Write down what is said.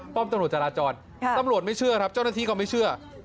ตำรวจจราจรตำรวจไม่เชื่อครับเจ้าหน้าที่ก็ไม่เชื่อ